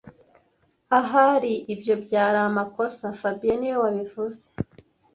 Ahari ibyo byari amakosa fabien niwe wabivuze